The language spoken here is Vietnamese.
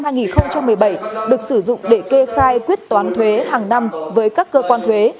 báo cáo một mươi bảy được sử dụng để kê khai quyết toán thuế hàng năm với các cơ quan thuế